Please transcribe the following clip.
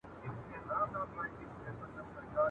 درته په قهر خدای او انسان دی !.